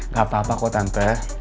gak apa apa kok tempe